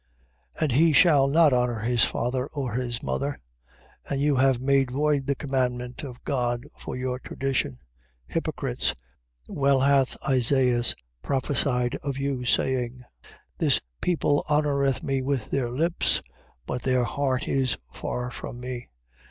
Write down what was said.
And he shall not honour his father or his mother: and you have made void the commandment of God for your tradition. 15:7. Hypocrites, well hath Isaias prophesied of you, saying: 15:8. This people honoureth me with their lips: but their heart is far from me.